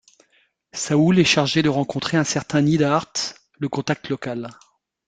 Saul est chargé de rencontrer un certain Niedhart, le contact local.